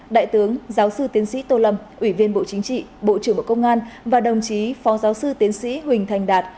đại tướng giáo sư tiến sĩ tô lâm ủy viên bộ chính trị bộ trưởng bộ công an và đồng chí phó giáo sư tiến sĩ huỳnh thành đạt